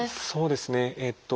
そうですね。